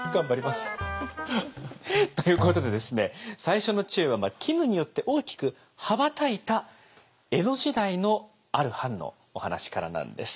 最初の知恵は絹によって大きく羽ばたいた江戸時代のある藩のお話からなんです。